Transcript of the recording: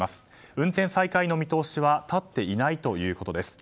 運転再開の見通しは立っていないということです。